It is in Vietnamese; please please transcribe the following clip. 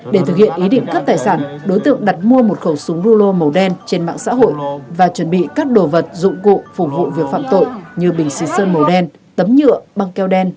để thực hiện ý định cướp tài sản đối tượng đặt mua một khẩu súng rulo màu đen trên mạng xã hội và chuẩn bị các đồ vật dụng cụ phục vụ việc phạm tội như bình xịt sơn màu đen tấm nhựa băng keo đen